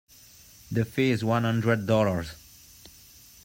The fee is one hundred dollars.